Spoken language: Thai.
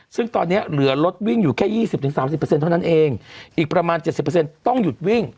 ซึ่งตอนเนี้ยเหลือรถวิ่งอยู่แค่ยี่สิบถึงสามสิบเปอร์เซ็นต์เท่านั้นเองอีกประมาณเจ็ดสิบเปอร์เซ็นต์ต้องหยุดวิ่ง